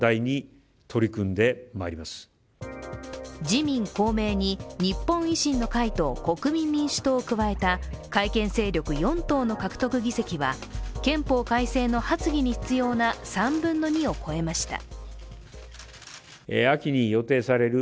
自民・公明に日本維新の会と国民民主党を加えた改憲勢力４党の獲得議席は憲法改正の発議に必要な３分の２を超えました。